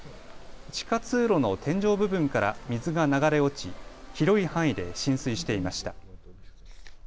地下通路の天井部分から水が流れ落ち広い範囲で浸水していました。